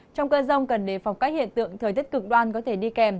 trong cơn rông cần đề phòng các hiện tượng thời tiết cực đoan có thể đi kèm